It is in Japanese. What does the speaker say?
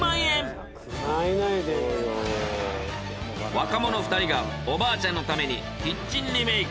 若者２人がおばあちゃんのためにキッチンリメイク。